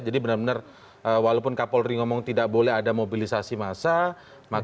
jadi benar benar walaupun kapolri ngomong tidak boleh ada mobilisasi massa